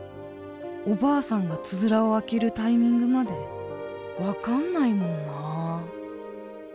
おばあさんがつづらを開けるタイミングまで分かんないもんな。